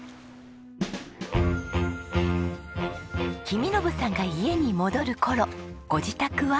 公伸さんが家に戻る頃ご自宅は？